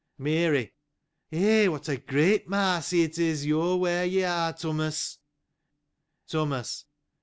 Mary. — Eh ! what a great mercy it is you are where you are, Thomas. Thomas.